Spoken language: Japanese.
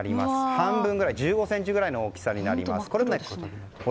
半分ぐらい、１５ｃｍくらいの大きさになります。